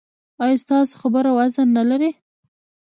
ایا ستاسو خبره وزن نلري؟